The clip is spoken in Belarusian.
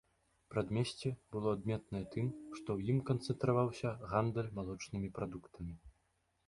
Прадмесце было адметнае тым, што ў ім канцэнтраваўся гандаль малочнымі прадуктамі.